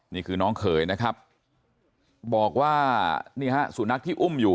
นี่คือน้องเขยนะครับบอกว่านี่ฮะสุนัขที่อุ้มอยู่